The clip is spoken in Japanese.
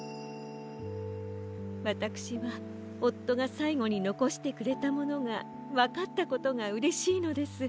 わたくしはおっとがさいごにのこしてくれたものがわかったことがうれしいのです。